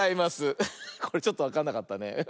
これちょっとわかんなかったね。